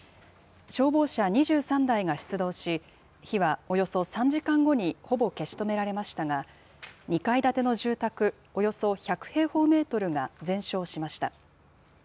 消防車２３台が出動し、火はおよそ３時間後にほぼ消し止められましたが、２階建ての住宅およそ１００平方メートルが全焼しました。